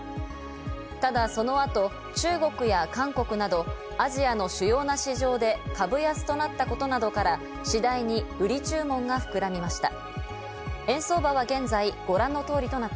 ただその後、中国や韓国などアジアの主要な市場で株安となったことなどから、次第に売り注文が膨らみました。